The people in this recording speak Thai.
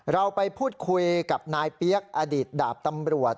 เราไปพูดคุยกับนายเปี๊ยกอดีตดาบตำรวจ